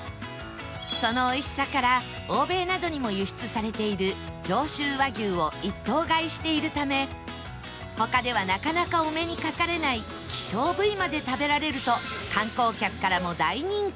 そのおいしさから欧米などにも輸出されている上州和牛を１頭買いしているため他ではなかなかお目にかかれない希少部位まで食べられると